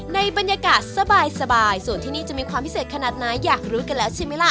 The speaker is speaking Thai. ในบรรยากาศสบายส่วนที่นี่จะมีความพิเศษขนาดไหนอยากรู้กันแล้วใช่ไหมล่ะ